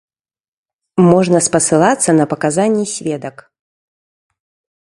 Можна спасылацца на паказанні сведак.